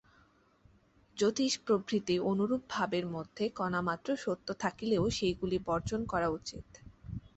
জ্যোতিষ প্রভৃতি অনুরূপ ভাবের মধ্যে কণামাত্র সত্য থাকিলেও সেইগুলি বর্জন করা উচিত।